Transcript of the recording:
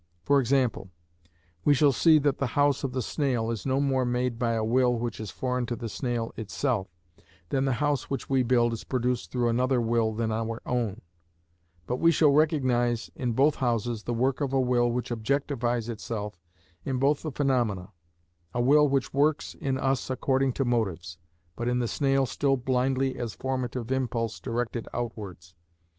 For example, we shall see that the house of the snail is no more made by a will which is foreign to the snail itself, than the house which we build is produced through another will than our own; but we shall recognise in both houses the work of a will which objectifies itself in both the phenomena—a will which works in us according to motives, but in the snail still blindly as formative impulse directed outwards.